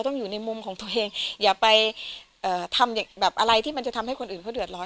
ต้องอยู่ในมุมของตัวเองอย่าไปเอ่อทำอย่างแบบอะไรที่มันจะทำให้คนอื่นเขาเดือดร้อน